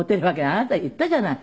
あなた言ったじゃない。